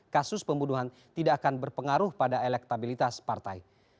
kasus pembunuhan tidak akan berpengaruh pada elektabilitas partai